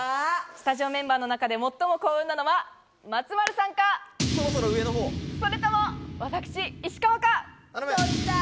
スタジオメンバーの中で最も幸運なのは松丸さんか、それとも私、石川か。